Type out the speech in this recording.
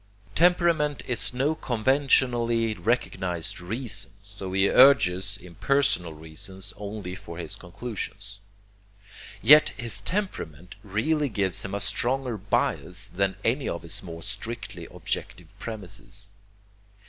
Temperament is no conventionally recognized reason, so he urges impersonal reasons only for his conclusions. Yet his temperament really gives him a stronger bias than any of his more strictly objective premises.